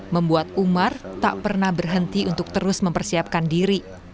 membuat umar tak pernah berhenti untuk terus mempersiapkan diri